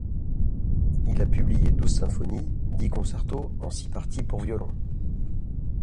Il a publié douze symphonies, dix concertos en six parties pour violon.